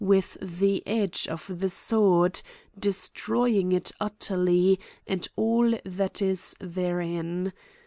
ii27 with the edge of the sword, destroying it utterly, and all that is therein.